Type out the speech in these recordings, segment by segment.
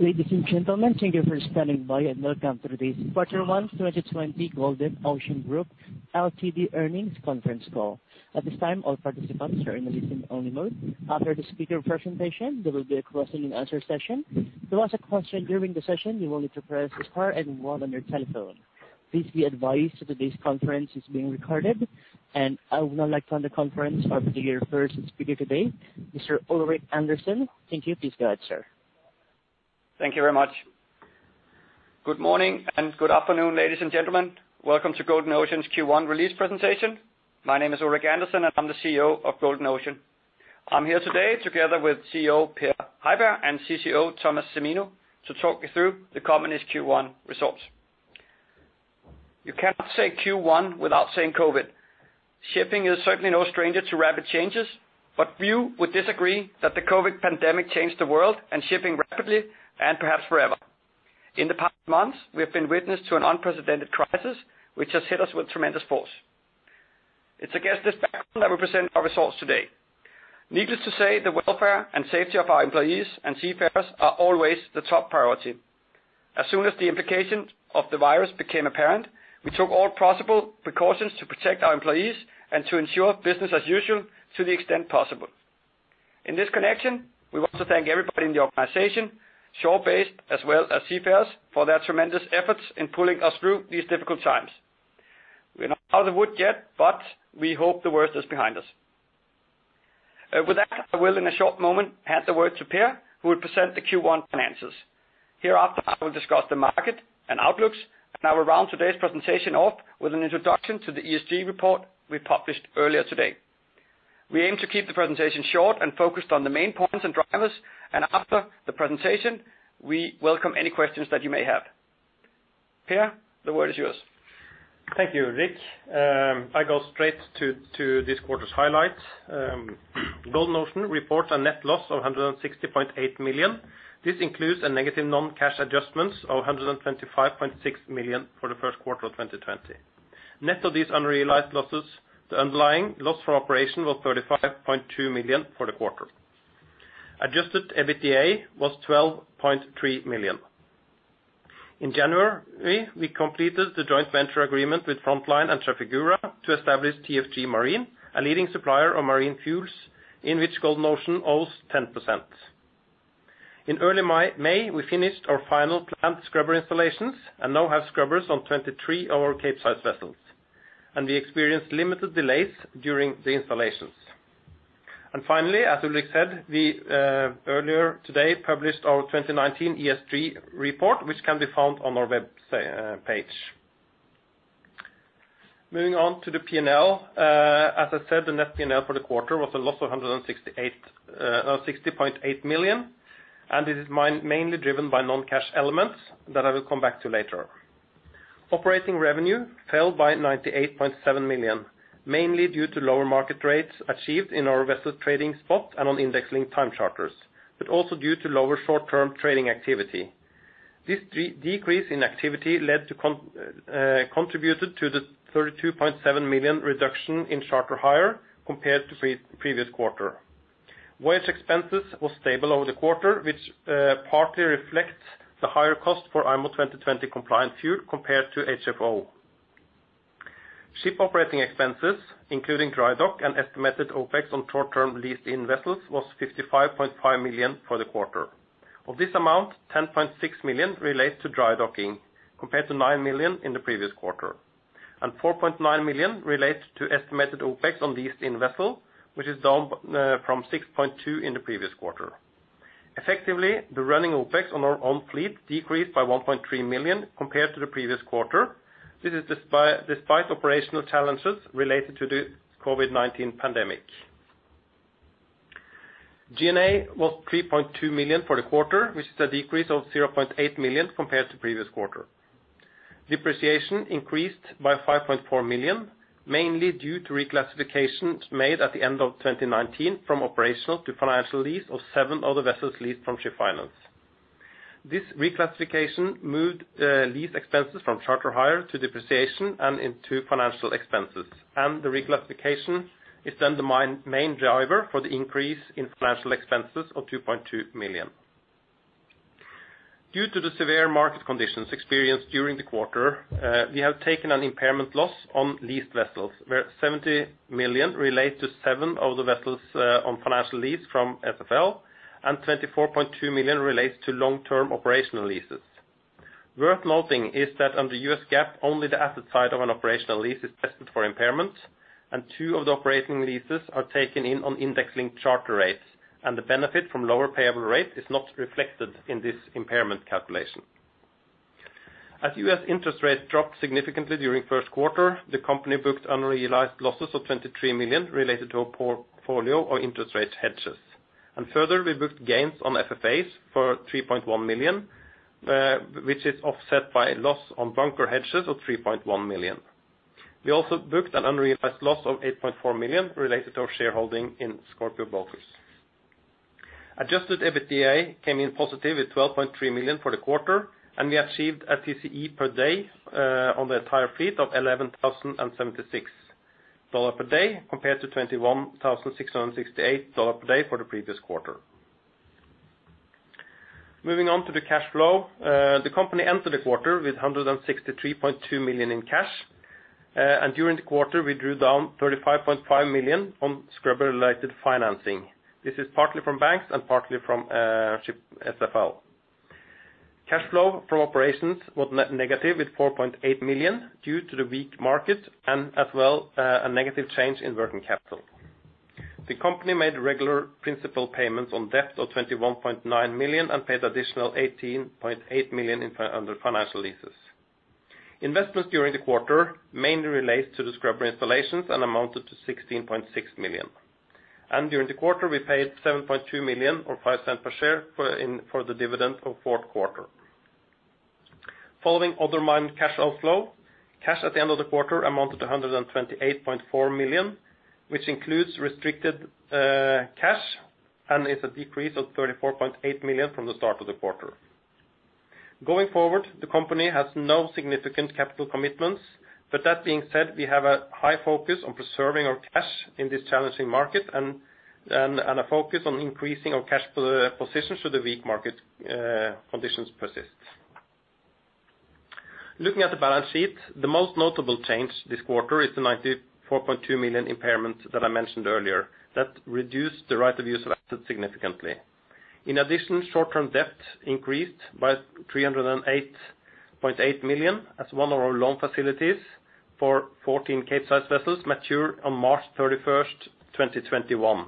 Ladies and gentlemen, thank you for standing by. Welcome to today's quarter one, 2020, Golden Ocean Group Ltd earnings conference call. At this time, all participants are in a listen-only mode. After the speaker presentation, there will be a question-and-answer session. To ask a question during the session, you will need to press star one on your telephone. Please be advised that today's conference is being recorded, and I would now like to turn the conference over to your first speaker today, Mr. Ulrik Andersen. Thank you. Please go ahead, sir. Thank you very much. Good morning and good afternoon, ladies and gentlemen. Welcome to Golden Ocean's Q1 release presentation. My name is Ulrik Andersen, and I'm the CEO of Golden Ocean. I'm here today together with CFO Peder Halberg and CCO Thomas Semino to talk you through the company's Q1 results. You cannot say Q1 without saying COVID. Shipping is certainly no stranger to rapid changes, but few would disagree that the COVID pandemic changed the world and shipping rapidly and perhaps forever. In the past months, we have been witness to an unprecedented crisis, which has hit us with tremendous force. It's against this background that we present our results today. Needless to say, the welfare and safety of our employees and seafarers are always the top priority. As soon as the implications of the virus became apparent, we took all possible precautions to protect our employees and to ensure business as usual to the extent possible. In this connection, we want to thank everybody in the organization, shore-based as well as seafarers, for their tremendous efforts in pulling us through these difficult times. We're not out of the woods yet, but we hope the worst is behind us. With that, I will in a short moment hand the word to Peder, who will present the Q1 finances. Hereafter, I will discuss the market and outlooks, and I will round today's presentation off with an introduction to the ESG report we published earlier today. We aim to keep the presentation short and focused on the main points and drivers, and after the presentation, we welcome any questions that you may have. Peder, the word is yours. Thank you, Rik. I go straight to this quarter's highlights. Golden Ocean reports a net loss of $160.8 million. This includes a negative non-cash adjustment of $125.6 million for the first quarter of 2020. Net of these unrealized losses, the underlying loss from operation was $35.2 million for the quarter. Adjusted EBITDA was $12.3 million. In January, we completed the joint venture agreement with Frontline and Trafigura to establish TFG Marine, a leading supplier of marine fuels, in which Golden Ocean owns 10%. In early May, we finished our final planned scrubber installations and now have scrubbers on 23 of our Capesize vessels, and we experienced limited delays during the installations. Finally, as Ulrik said, we earlier today published our 2019 ESG report, which can be found on our web page. Moving on to the P&L. As I said, the net P&L for the quarter was a loss of $160.8 million, and this is mainly driven by non-cash elements that I will come back to later. Operating revenue fell by $98.7 million, mainly due to lower market rates achieved in our vessel trading spot and on index linked time charters, but also due to lower short-term trading activity. This decrease in activity contributed to the $32.7 million reduction in charter hire compared to the previous quarter. Voyage expenses were stable over the quarter, which partly reflects the higher cost for IMO 2020 compliant fuel compared to HFO. Ship operating expenses, including dry dock and estimated OpEx on short-term leased-in vessels, was $55.5 million for the quarter. Of this amount, $10.6 million relates to dry docking compared to $9 million in the previous quarter, and $4.9 million relates to estimated OpEx on leased-in vessels, which is down from $6.2 million in the previous quarter. Effectively, the running OpEx on our own fleet decreased by $1.3 million compared to the previous quarter. This is despite operational challenges related to the COVID-19 pandemic. G&A was $3.2 million for the quarter, which is a decrease of $0.8 million compared to the previous quarter. Depreciation increased by $5.4 million, mainly due to reclassification made at the end of 2019 from operational to financial lease of seven other vessels leased from Ship Finance. This reclassification moved lease expenses from charter hire to depreciation and into financial expenses, and the reclassification is then the main driver for the increase in financial expenses of $2.2 million. Due to the severe market conditions experienced during the quarter, we have taken an impairment loss on leased vessels, where $70 million relates to seven of the vessels on financial lease from SFL, and $24.2 million relates to long-term operational leases. Worth noting is that under U.S. GAAP, only the asset side of an operational lease is tested for impairment, and two of the operating leases are taken in on index linked charter rates, and the benefit from lower payable rate is not reflected in this impairment calculation. As U.S. interest rates dropped significantly during the first quarter, the company booked unrealized losses of $23 million related to a portfolio of interest rate hedges, and further, we booked gains on FFAs for $3.1 million, which is offset by a loss on bunker hedges of $3.1 million. We also booked an unrealized loss of $8.4 million related to our shareholding in Scorpio Bulkers. Adjusted EBITDA came in positive with $12.3 million for the quarter, and we achieved a TCE per day on the entire fleet of $11,076 per day compared to $21,668 per day for the previous quarter. Moving on to the cash flow, the company entered the quarter with $163.2 million in cash, and during the quarter, we drew down $35.5 million on scrubber-related financing. This is partly from banks and partly from SFL. Cash flow from operations was negative with $4.8 million due to the weak market and as well a negative change in working capital. The company made regular principal payments on debt of $21.9 million and paid additional $18.8 million under financial leases. Investments during the quarter mainly relate to the scrubber installations and amounted to $16.6 million. During the quarter, we paid $7.2 million or $0.05 per share for the dividend of fourth quarter. Following other financing cash outflow, cash at the end of the quarter amounted to $128.4 million, which includes restricted cash and is a decrease of $34.8 million from the start of the quarter. Going forward, the company has no significant capital commitments, but that being said, we have a high focus on preserving our cash in this challenging market and a focus on increasing our cash position should the weak market conditions persist. Looking at the balance sheet, the most notable change this quarter is the $94.2 million impairment that I mentioned earlier that reduced the right-of-use assets significantly. In addition, short-term debt increased by $308.8 million as one of our loan facilities for 14 Capesize vessels matured on March 31st, 2021.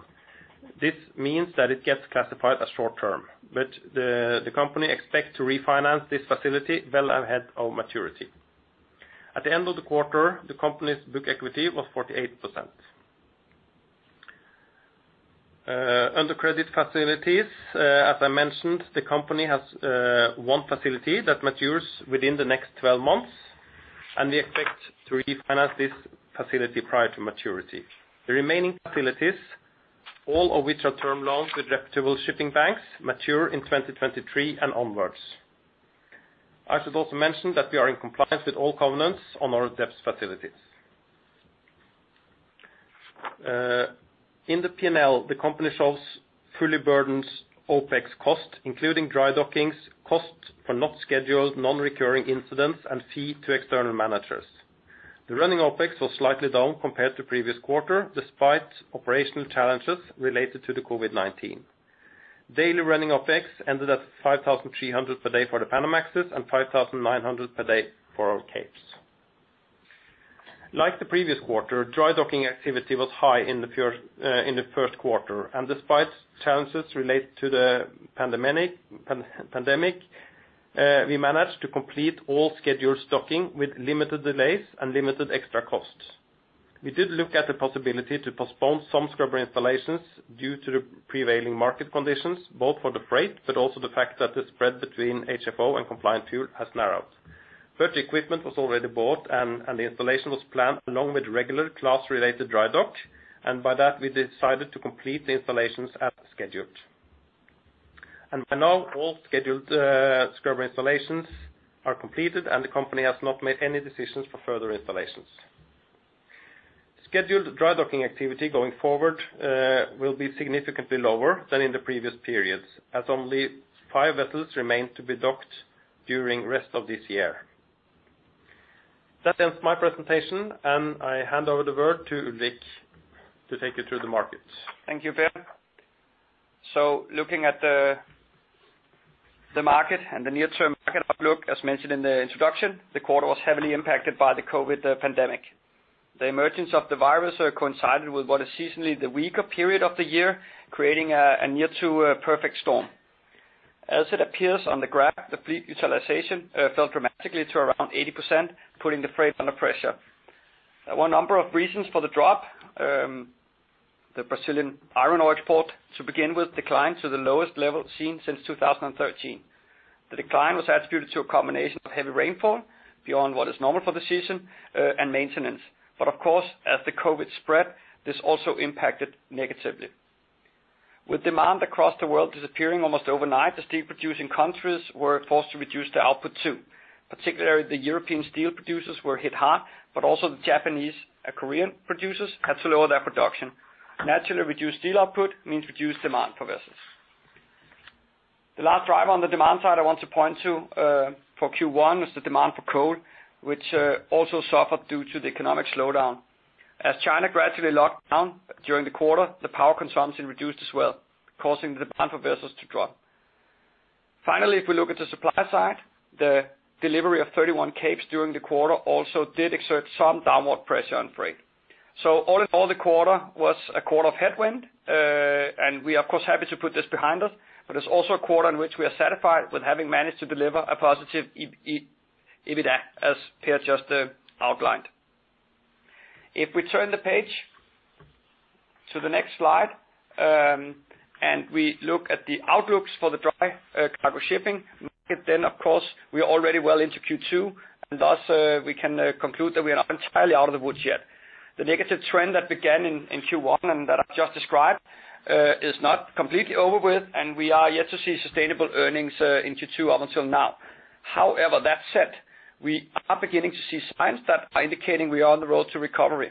This means that it gets classified as short-term, but the company expects to refinance this facility well ahead of maturity. At the end of the quarter, the company's book equity was 48%. Under credit facilities, as I mentioned, the company has one facility that matures within the next 12 months, and we expect to refinance this facility prior to maturity. The remaining facilities, all of which are term loans with reputable shipping banks, mature in 2023 and onward. I should also mention that we are in compliance with all covenants on our debt facilities. In the P&L, the company shows fully burdened OpEx cost, including dry dockings, costs for unscheduled, non-recurring incidents, and fees to external managers. The running OpEx was slightly down compared to the previous quarter despite operational challenges related to the COVID-19. Daily running OpEx ended at $5,300 per day for the Panamaxes and $5,900 per day for our Capes. Like the previous quarter, dry docking activity was high in the first quarter, and despite challenges related to the pandemic, we managed to complete all scheduled docking with limited delays and limited extra costs. We did look at the possibility to postpone some scrubber installations due to the prevailing market conditions, both for the freight but also the fact that the spread between HFO and compliant fuel has narrowed, but the equipment was already bought, and the installation was planned along with regular class-related dry dock, and by that, we decided to complete the installations as scheduled, and by now, all scheduled scrubber installations are completed, and the company has not made any decisions for further installations. Scheduled dry docking activity going forward will be significantly lower than in the previous periods, as only five vessels remain to be docked during the rest of this year. That ends my presentation, and I hand over the word to Ulrik to take you through the market. Thank you, Peder. So looking at the market and the near-term market outlook, as mentioned in the introduction, the quarter was heavily impacted by the COVID pandemic. The emergence of the virus coincided with what is seasonally the weaker period of the year, creating a near-perfect storm. As it appears on the graph, the fleet utilization fell dramatically to around 80%, putting the freight under pressure. There were a number of reasons for the drop. The Brazilian iron ore export, to begin with, declined to the lowest level seen since 2013. The decline was attributed to a combination of heavy rainfall beyond what is normal for the season and maintenance. But of course, as the COVID spread, this also impacted negatively. With demand across the world disappearing almost overnight, the steel-producing countries were forced to reduce their output too. Particularly, the European steel producers were hit hard, but also the Japanese and Korean producers had to lower their production. Naturally, reduced steel output means reduced demand for vessels. The last driver on the demand side I want to point to for Q1 was the demand for coal, which also suffered due to the economic slowdown. As China gradually locked down during the quarter, the power consumption reduced as well, causing the demand for vessels to drop. Finally, if we look at the supply side, the delivery of 31 capes during the quarter also did exert some downward pressure on freight. So all in all, the quarter was a quarter of headwind, and we are, of course, happy to put this behind us, but it's also a quarter in which we are satisfied with having managed to deliver a positive EBITDA, as Peder just outlined. If we turn the page to the next slide and we look at the outlooks for the dry cargo shipping, then, of course, we are already well into Q2, and thus, we can conclude that we are not entirely out of the woods yet. The negative trend that began in Q1 and that I just described is not completely over with, and we are yet to see sustainable earnings in Q2 up until now. However, that said, we are beginning to see signs that are indicating we are on the road to recovery,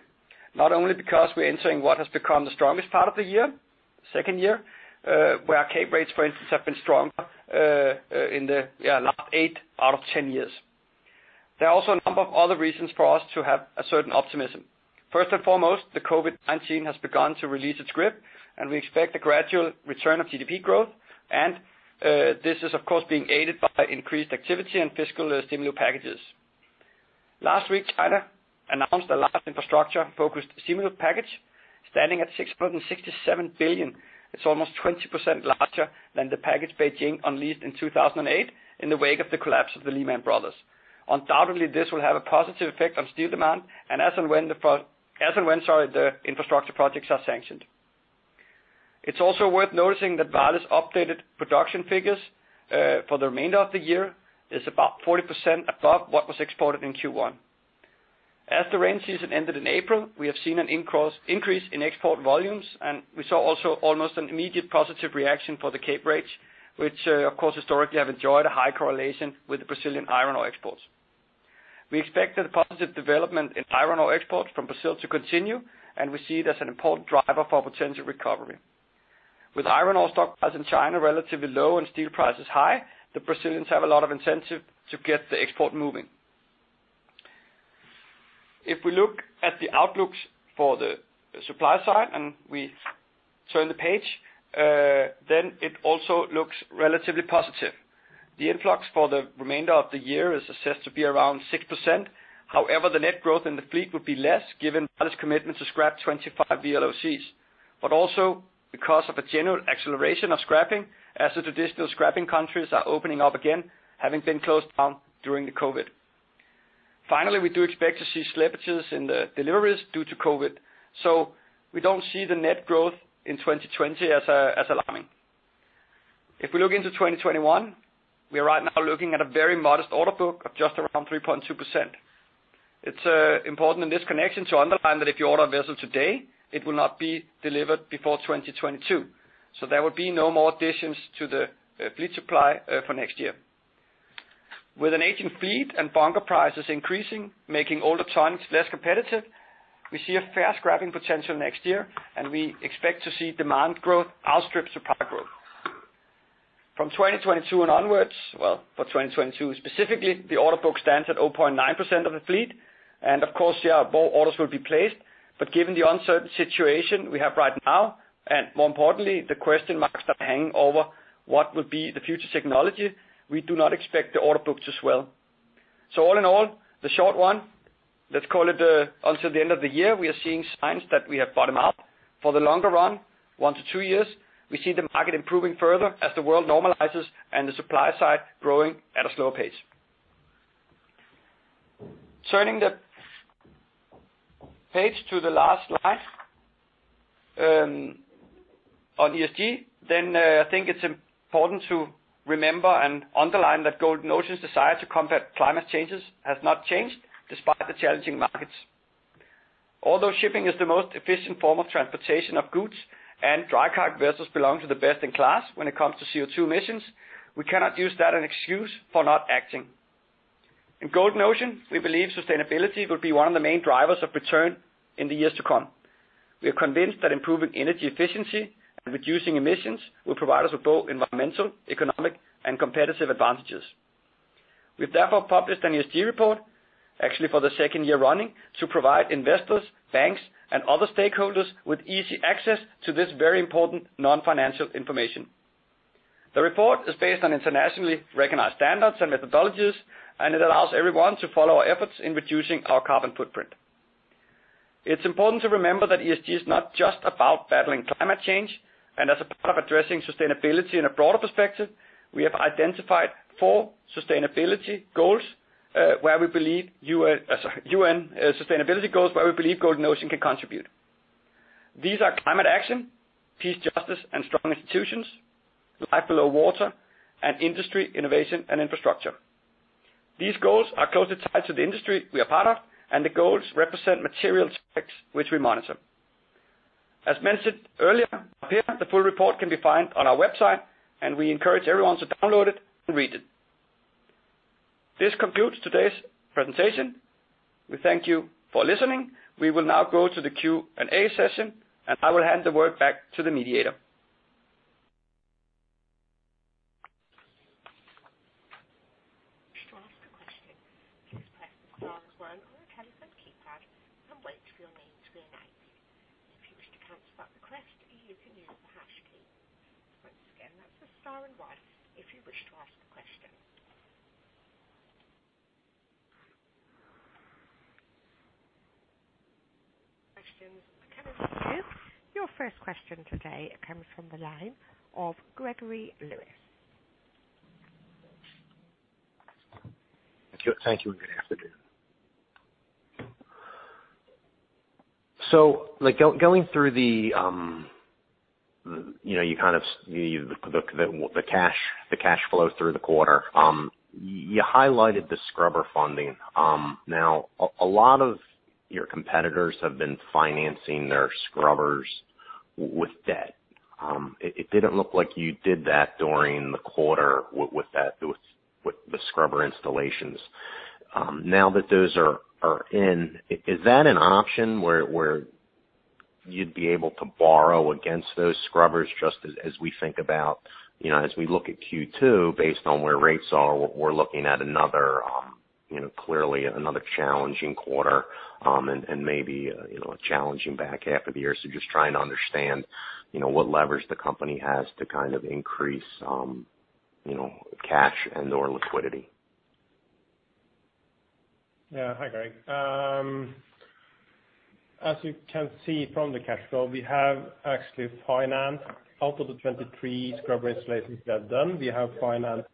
not only because we're entering what has become the strongest part of the year, second year, where our Capesize rates, for instance, have been stronger in the last eight out of 10 years. There are also a number of other reasons for us to have a certain optimism. First and foremost, the COVID-19 has begun to release its grip, and we expect a gradual return of GDP growth, and this is, of course, being aided by increased activity and fiscal stimulus packages. Last week, China announced a large infrastructure-focused stimulus package standing at 667 billion. It's almost 20% larger than the package Beijing unleashed in 2008 in the wake of the collapse of the Lehman Brothers. Undoubtedly, this will have a positive effect on steel demand and as and when the infrastructure projects are sanctioned. It's also worth noticing that various updated production figures for the remainder of the year are about 40% above what was exported in Q1. As the rainy season ended in April, we have seen an increase in export volumes, and we saw also almost an immediate positive reaction for the cape rates, which, of course, historically have enjoyed a high correlation with the Brazilian iron ore exports. We expect that the positive development in iron ore exports from Brazil to continue, and we see it as an important driver for potential recovery. With iron ore stock prices in China relatively low and steel prices high, the Brazilians have a lot of incentive to get the export moving. If we look at the outlooks for the supply side and we turn the page, then it also looks relatively positive. The influx for the remainder of the year is assessed to be around 6%. However, the net growth in the fleet would be less given various commitments to scrap 25 VLOCs, but also because of a general acceleration of scrapping as the traditional scrapping countries are opening up again, having been closed down during the COVID. Finally, we do expect to see slippages in the deliveries due to COVID, so we don't see the net growth in 2020 as alarming. If we look into 2021, we are right now looking at a very modest order book of just around 3.2%. It's important in this connection to underline that if you order a vessel today, it will not be delivered before 2022, so there will be no more additions to the fleet supply for next year. With an aging fleet and bunker prices increasing, making older tonnage less competitive, we see a fair scrapping potential next year, and we expect to see demand growth outstrip supply growth. From 2022 and onwards, well, for 2022 specifically, the order book stands at 0.9% of the fleet, and of course, more orders will be placed, but given the uncertain situation we have right now and more importantly, the question marks that are hanging over what will be the future technology, we do not expect the order book to swell. So all in all, the short one, let's call it until the end of the year, we are seeing signs that we have bottomed out. For the longer run, one to two years, we see the market improving further as the world normalizes and the supply side growing at a slower pace. Turning the page to the last line on ESG, then I think it's important to remember and underline that Golden Ocean's desire to combat climate change has not changed despite the challenging markets. Although shipping is the most efficient form of transportation of goods and dry cargo vessels belong to the best in class when it comes to CO2 emissions, we cannot use that as an excuse for not acting. In Golden Ocean, we believe sustainability will be one of the main drivers of return in the years to come. We are convinced that improving energy efficiency and reducing emissions will provide us with both environmental, economic, and competitive advantages. We have therefore published an ESG report, actually for the second year running, to provide investors, banks, and other stakeholders with easy access to this very important non-financial information. The report is based on internationally recognized standards and methodologies, and it allows everyone to follow our efforts in reducing our carbon footprint. It's important to remember that ESG is not just about battling climate change, and as a part of addressing sustainability in a broader perspective, we have identified four sustainability goals where we believe Golden Ocean can contribute. These are climate action, peace, justice, and strong institutions, life below water, and industry, innovation, and infrastructure. These goals are closely tied to the industry we are part of, and the goals represent material checks which we monitor. As mentioned earlier, the full report can be found on our website, and we encourage everyone to download it and read it. This concludes today's presentation. We thank you for listening. We will now go to the Q&A session, and I will hand the word back to the mediator. If you wish to ask a question, please press the star and one on a telephone keypad and wait for your name to be announced. If you wish to cancel that request, you can use the hash key. Once again, that's the star and one if you wish to ask a question. Thank you. Your first question today comes from the line of Gregory Lewis. Thank you and good afternoon. So going through, you kind of looked at the cash flow through the quarter. You highlighted the scrubber funding. Now, a lot of your competitors have been financing their scrubbers with debt. It didn't look like you did that during the quarter with the scrubber installations. Now that those are in, is that an option where you'd be able to borrow against those scrubbers just as we think about, as we look at Q2, based on where rates are? We're looking at clearly another challenging quarter and maybe a challenging back half of the year, so just trying to understand what levers the company has to kind of increase cash and/or liquidity. Yeah. Hi, Greg. As you can see from the cash flow, we have actually financed out of the 23 scrubber installations we have done, we have financed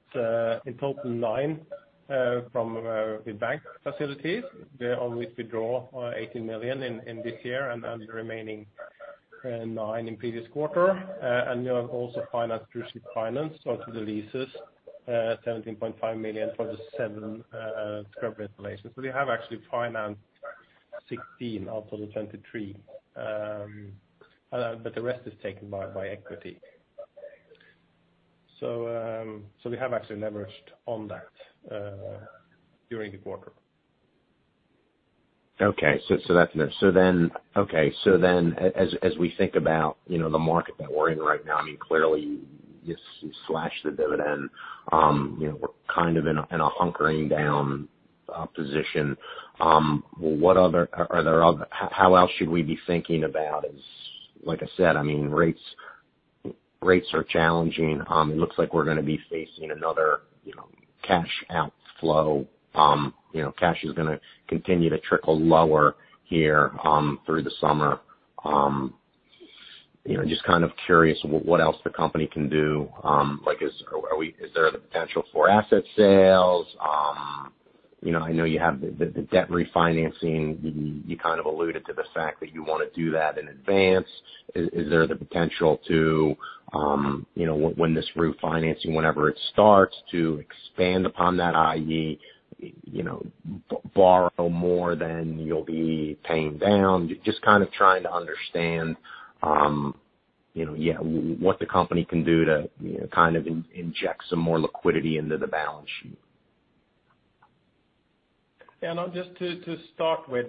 in total nine from the bank facilities. We always withdraw $18 million in this year and the remaining nine in previous quarter. And we have also financed through Ship Finance, so through the leases, $17.5 million for the seven scrubber installations. So we have actually financed 16 out of the 23, but the rest is taken by equity. So we have actually leveraged on that during the quarter. Okay. So then, as we think about the market that we're in right now, I mean, clearly, you slashed the dividend. We're kind of in a hunkering down position. Are there other? How else should we be thinking about? Like I said, I mean, rates are challenging. It looks like we're going to be facing another cash outflow. Cash is going to continue to trickle lower here through the summer. Just kind of curious what else the company can do. Is there the potential for asset sales? I know you have the debt refinancing. You kind of alluded to the fact that you want to do that in advance. Is there the potential to, when this refinancing, whenever it starts, to expand upon that i.e., borrow more than you'll be paying down? Just kind of trying to understand, yeah, what the company can do to kind of inject some more liquidity into the balance sheet. Yeah. No, just to start with,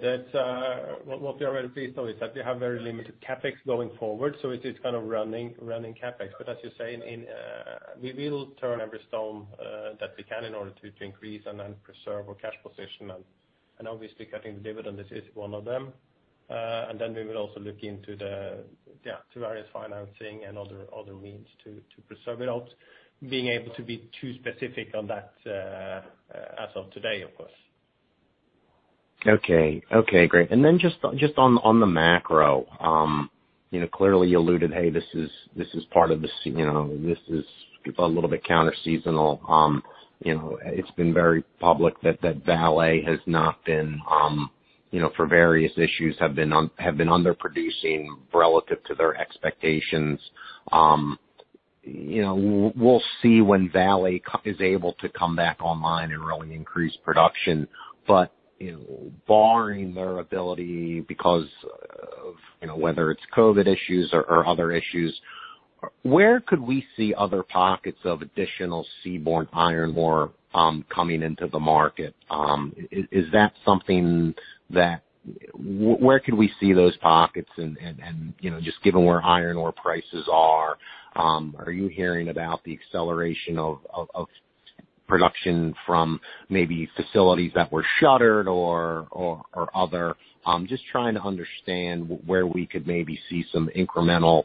what we are very pleased with is that we have very limited CapEx going forward, so it's kind of running CapEx. But as you say, we will turn every stone that we can in order to increase and preserve our cash position. And obviously, cutting the dividend is one of them. And then we will also look into the various financing and other means to preserve it out, being able to be too specific on that as of today, of course. Okay. Okay. Great. And then just on the macro, clearly, you alluded, "Hey, this is part of the—this is a little bit counter-seasonal." It's been very public that Vale has not been, for various issues, have been underproducing relative to their expectations. We'll see when Vale is able to come back online and really increase production, but barring their ability because of whether it's COVID issues or other issues, where could we see other pockets of additional seaborne iron ore coming into the market? Is that something that—where could we see those pockets? And just given where iron ore prices are, are you hearing about the acceleration of production from maybe facilities that were shuttered or other? Just trying to understand where we could maybe see some incremental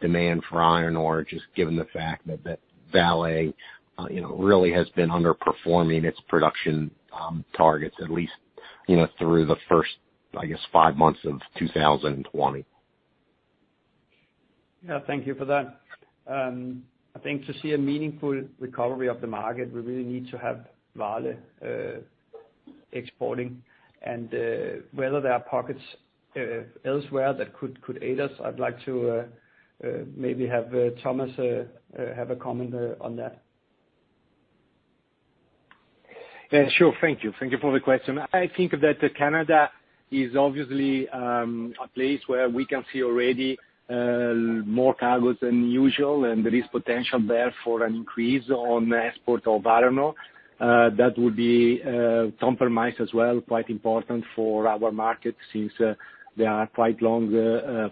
demand for iron ore, just given the fact that Vale really has been underperforming its production targets, at least through the first, I guess, five months of 2020. Yeah. Thank you for that. I think to see a meaningful recovery of the market, we really need to have Vale exporting. And whether there are pockets elsewhere that could aid us, I'd like to maybe have Thomas have a comment on that. Yeah. Sure. Thank you. Thank you for the question. I think that Canada is obviously a place where we can see already more cargoes than usual, and there is potential there for an increase on export of iron ore. That would be compromised as well, quite important for our market since there are quite long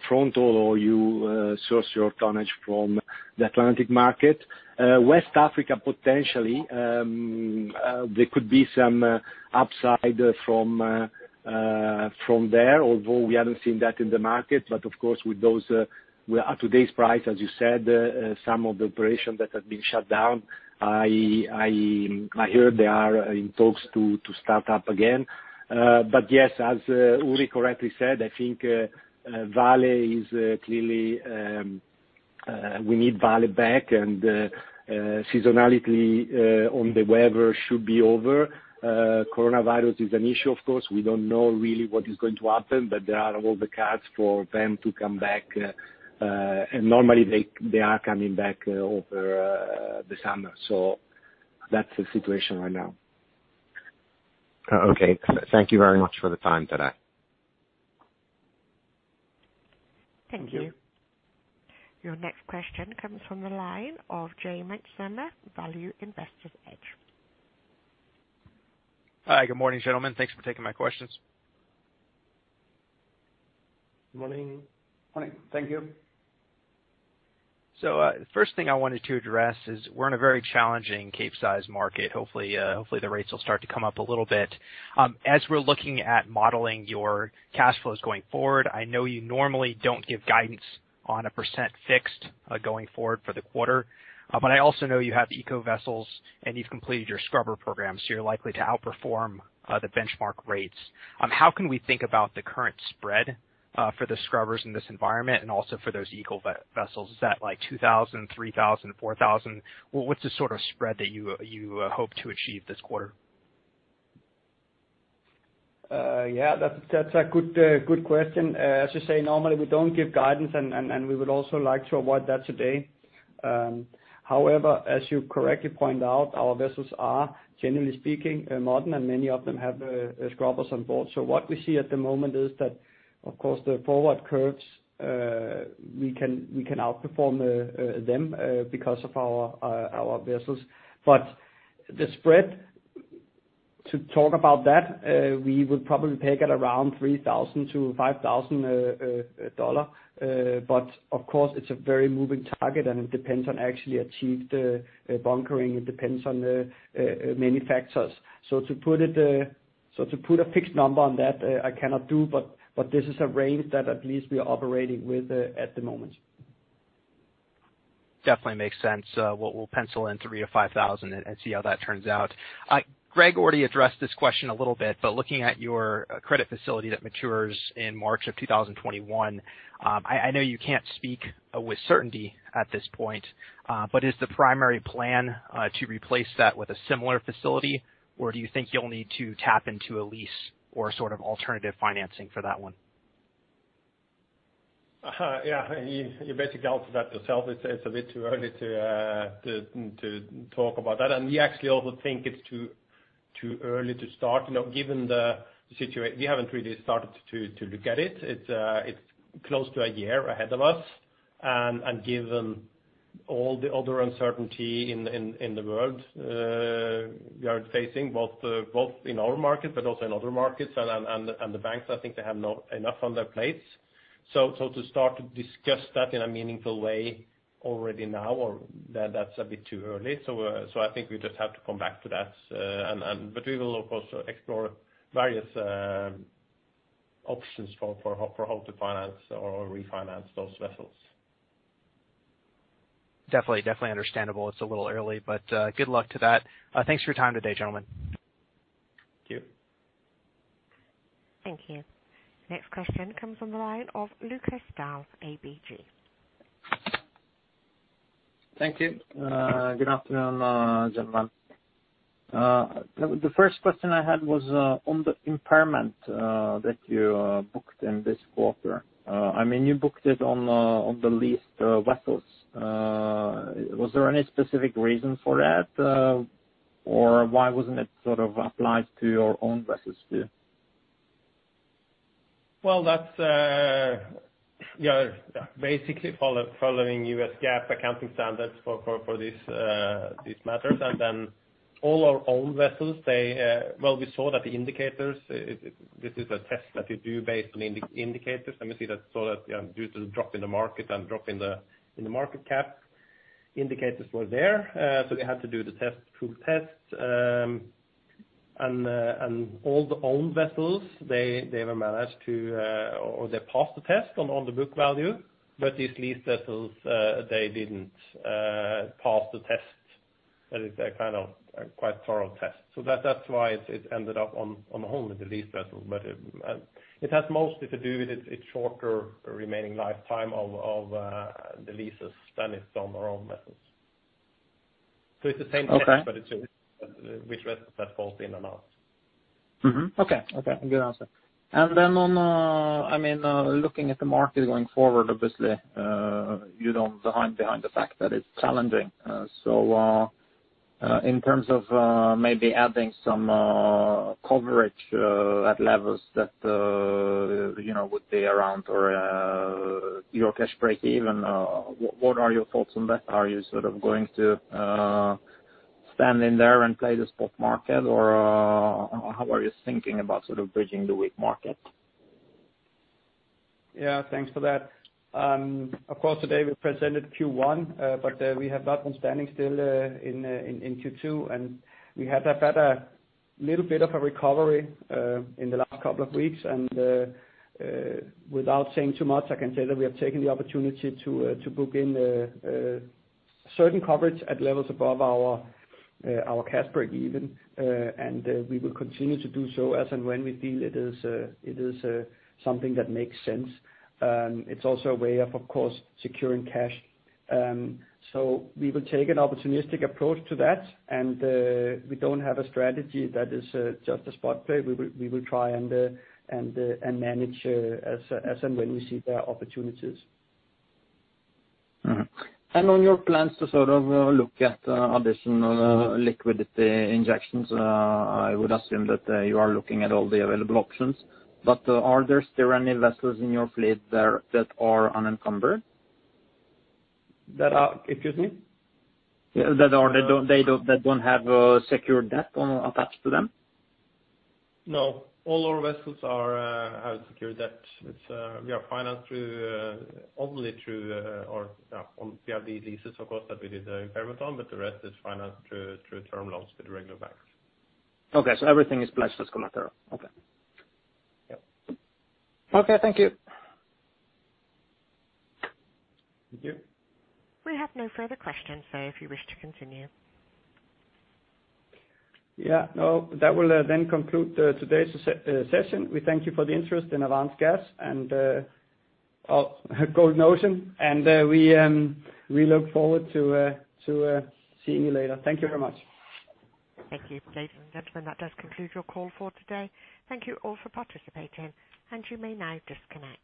front haul where you source your tonnage from the Atlantic market. West Africa, potentially, there could be some upside from there, although we haven't seen that in the market. But of course, with today's price, as you said, some of the operations that have been shut down, I heard they are in talks to start up again. But yes, as Ulrik correctly said, I think Vale is clearly. We need Vale back, and seasonality on the weather should be over. Coronavirus is an issue, of course. We don't know really what is going to happen, but there are all the cards for them to come back. And normally, they are coming back over the summer. So that's the situation right now. Okay. Thank you very much for the time today. Thank you. Your next question comes from the line of J Mintzmyer, Value Investor's Edge. Hi. Good morning, gentlemen. Thanks for taking my questions. Good morning. Morning. Thank you. So the first thing I wanted to address is we're in a very challenging Capesize market. Hopefully, the rates will start to come up a little bit. As we're looking at modeling your cash flows going forward, I know you normally don't give guidance on a per cent fixed going forward for the quarter, but I also know you have eco vessels and you've completed your scrubber program, so you're likely to outperform the benchmark rates. How can we think about the current spread for the scrubbers in this environment and also for those eco vessels? Is that like 2,000, 3,000, 4,000? What's the sort of spread that you hope to achieve this quarter? Yeah. That's a good question. As you say, normally, we don't give guidance, and we would also like to avoid that today. However, as you correctly point out, our vessels are, generally speaking, modern, and many of them have scrubbers on board. So what we see at the moment is that, of course, the forward curves, we can outperform them because of our vessels. But the spread, to talk about that, we would probably peg at around $3,000-$5,000. But of course, it's a very moving target, and it depends on actually achieved bunkering. It depends on many factors. So to put a fixed number on that, I cannot do, but this is a range that at least we are operating with at the moment. Definitely makes sense. We'll pencil in 3-5 thousand and see how that turns out. Greg already addressed this question a little bit, but looking at your credit facility that matures in March of 2021, I know you can't speak with certainty at this point, but is the primary plan to replace that with a similar facility, or do you think you'll need to tap into a lease or sort of alternative financing for that one? Yeah. You basically answered that yourself. It's a bit too early to talk about that, and we actually also think it's too early to start. Given the situation, we haven't really started to look at it. It's close to a year ahead of us, and given all the other uncertainty in the world we are facing, both in our market but also in other markets, and the banks, I think they have enough on their plates, so to start to discuss that in a meaningful way already now, that's a bit too early, so I think we just have to come back to that, but we will, of course, explore various options for how to finance or refinance those vessels. Definitely. Definitely understandable. It's a little early, but good luck to that. Thanks for your time today, gentlemen. Thank you. Thank you. Next question comes from the line of Lukas Daul ABG. Thank you. Good afternoon, gentlemen. The first question I had was on the impairment that you booked in this quarter. I mean, you booked it on the leased vessels. Was there any specific reason for that, or why wasn't it sort of applied to your own vessels too? That's basically following U.S. GAAP accounting standards for these matters. All our own vessels, well, we saw that the indicators (this is a test that you do based on indicators) and we see that due to the drop in the market and drop in the market cap, indicators were there. We had to do the full test. All the owned vessels, they were managed to - or they passed the test on the book value, but these leased vessels, they didn't pass the test. That is a kind of quite thorough test. That's why it ended up on only the leased vessels. It has mostly to do with its shorter remaining lifetime of the leases than it's on our own vessels. It's the same test, but it's which vessels that falls in and out. Okay. Okay. Good answer, and then, I mean, looking at the market going forward, obviously, you don't hide behind the fact that it's challenging. So in terms of maybe adding some coverage at levels that would be around your cash break even, what are your thoughts on that? Are you sort of going to stand in there and play the spot market, or how are you thinking about sort of bridging the weak market? Yeah. Thanks for that. Of course, today we presented Q1, but we have not been standing still in Q2, and we had a better little bit of a recovery in the last couple of weeks, and without saying too much, I can say that we have taken the opportunity to book in certain coverage at levels above our cash break even. And we will continue to do so as and when we feel it is something that makes sense. It's also a way of course securing cash. So we will take an opportunistic approach to that. And we don't have a strategy that is just a spot trade. We will try and manage as and when we see the opportunities. And on your plans to sort of look at additional liquidity injections, I would assume that you are looking at all the available options. But are there still any vessels in your fleet that are unencumbered? Excuse me? That don't have secured debt attached to them? No. All our vessels have secured debt. We are financed only through—we have these leases, of course, that we did the impairment on, but the rest is financed through term loans with regular banks. Okay. So everything is pledged as collateral. Okay. Yep. Okay. Thank you. Thank you. We have no further questions, though, if you wish to continue. Yeah. No, that will then conclude today's session. We thank you for the interest in Avance Gas and Golden Ocean, and we look forward to seeing you later. Thank you very much. Thank you, David and gentlemen. That does conclude your call for today. Thank you all for participating. And you may now disconnect.